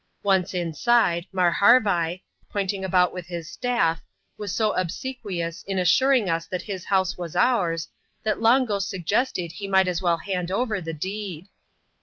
Once inside, Marharvai, pointing about with his staff, was so obsequious in assuring us that his house was ours, that Long Ghost suggested he might as well hand over the deed.